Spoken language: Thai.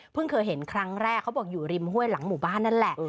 เคยเห็นครั้งแรกเขาบอกอยู่ริมห้วยหลังหมู่บ้านนั่นแหละ